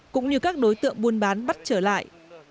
cũng như các đối tượng buôn bán bắt trở lại